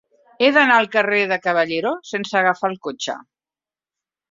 He d'anar al carrer de Caballero sense agafar el cotxe.